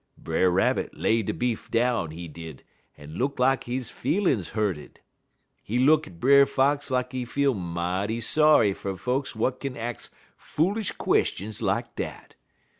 "Brer Rabbit lay de beef down, he did, en look lak he feelin's hurted. He look at Brer Fox lak he feel mighty sorry fer folks w'at kin ax foolish questions lak dat.